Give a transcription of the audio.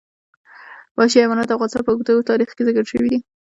وحشي حیوانات د افغانستان په اوږده تاریخ کې ذکر شوي دي.